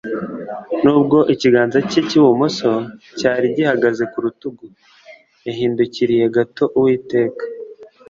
nubwo ikiganza cye cy'ibumoso cyari gihagaze ku rutugu. yahindukiriye gato uwiteka